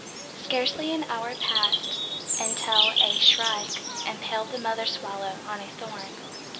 Scarcely an hour passed Until a shrike Impaled the mother swallow on a thorn.